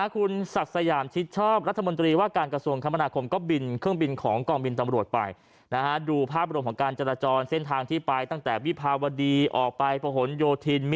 คุณศักดิ์สยามชิดชอบรัฐบนตรีว่าการกระทรวงคมนาคม